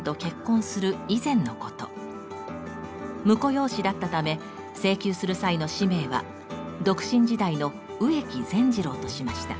婿養子だったため請求する際の氏名は独身時代の「植木善次郎」としました。